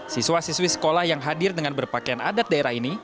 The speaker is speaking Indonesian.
siswa siswi sekolah yang hadir dengan berpakaian adat daerah ini